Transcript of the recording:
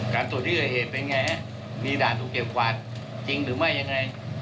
ตรวจที่เกิดเหตุเป็นไงฮะมีด่านถูกเก็บกวาดจริงหรือไม่ยังไง